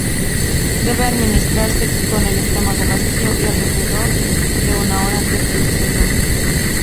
Debe administrarse con el estómago vacío y alrededor de una hora antes del desayuno.